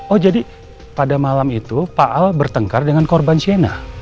oh jadi pada malam itu pak al bertengkar dengan korban shena